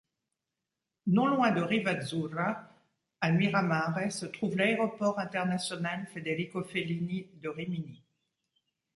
Non loin de Rivazzurra, à Miramare, se trouve l'aéroport international Federico Fellini de Rimini.